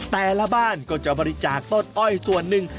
แต่ละบ้านก็จะบริจาคต้นอ้อยส่วนหนึ่ง